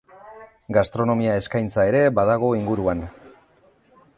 Gastronomia eskaintza ere badago inguruan.